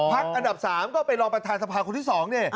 พักอัดับสามก็เป็นรองประธานสภาคนที่สอง